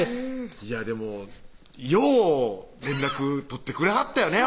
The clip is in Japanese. いやでもよう連絡取ってくれはったよね